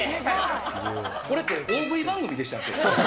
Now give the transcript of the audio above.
これって大食い番組でしたっけ？